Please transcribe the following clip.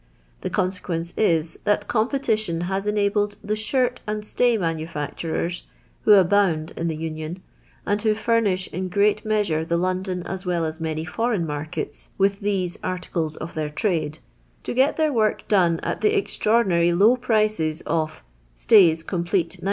The consequence is, that competition has enabled the shirt and stay manufacturers, who abound in the Union, and wbo furnish in great measure the London as well as many foreign markets with these articles of their tnide, to get their work done at the extraordinary low prices of — stays, complete, 9d.